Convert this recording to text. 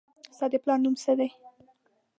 ستا د پلار نوم څه دي